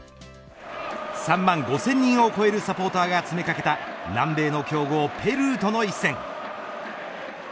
３万５０００人を超えるサポーターが詰め掛けた南米の強豪、ペルーとの一戦。